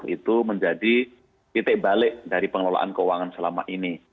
itu menjadi titik balik dari pengelolaan keuangan selama ini